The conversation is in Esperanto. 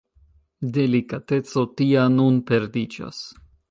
Delikateco tia nun perdiĝas.